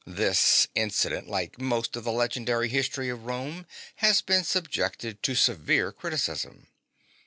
This incident, like most of the legendary history of Rome, has been subjected to severe criti cism.